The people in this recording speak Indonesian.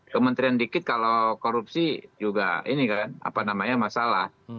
kementerian dikit kalau korupsi juga ini kan apa namanya masalah